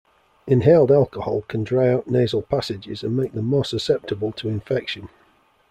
Inhaled alcohol can dry out nasal passages and make them more susceptible to infection.